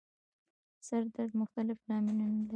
سر درد مختلف لاملونه لري